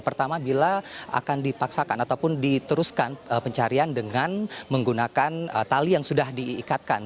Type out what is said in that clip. pertama bila akan dipaksakan ataupun diteruskan pencarian dengan menggunakan tali yang sudah diikatkan